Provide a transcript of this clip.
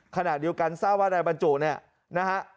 ขณะเดียวกันทราบว่านายบรรจุเนี่ยนะฮะ